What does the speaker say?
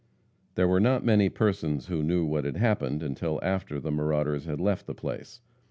There were not many persons who knew what had happened until after the marauders had left the place.